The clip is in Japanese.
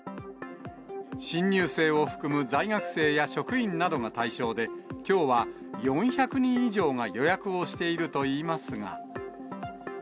新入生を含む在学生や職員などが対象で、きょうは４００人以上が予約をしているといいますが。